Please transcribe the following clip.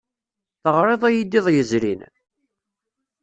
Teɣriḍ-iyi-d iḍ yezrin?